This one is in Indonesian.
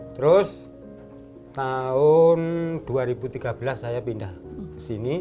terus tahun dua ribu tiga belas saya pindah ke sini